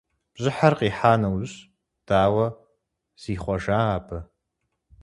Бжьыхьэр къихьа нэужь, дауэ зихъуэжа абы?